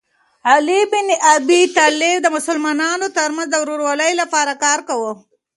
علي بن ابي طالب د مسلمانانو ترمنځ د ورورولۍ لپاره کار کاوه.